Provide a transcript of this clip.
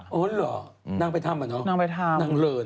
เอิ้นเหรอนั่งไปทำอะเนาะนั่งเลอะเนาะ